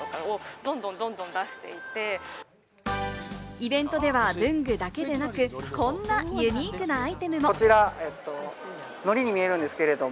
イベントでは文具だけでなく、こんなユニークなアイテムも。